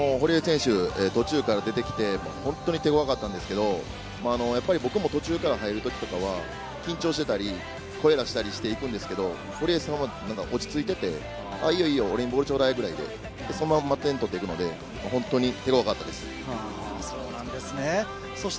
途中から出てきて本当に手ごわかったんですけれど、僕も途中から入る時とかは緊張していたり、声を出したりしていくんですけど、堀江さんは落ち着いていて、いいよいいよ、俺にボールちょうだいとか言って、そのまま点を取っていくので手強かったです。